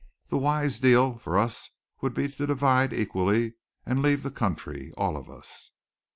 The wise deal for us would be to divide equally and leave the country, all of us."